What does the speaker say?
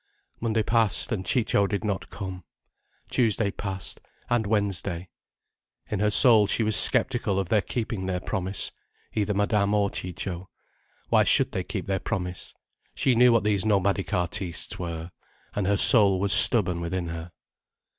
Monday passed, and Ciccio did not come: Tuesday passed: and Wednesday. In her soul she was sceptical of their keeping their promise—either Madame or Ciccio. Why should they keep their promise? She knew what these nomadic artistes were. And her soul was stubborn within her.